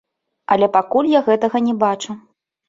Але пакуль я гэтага не бачу.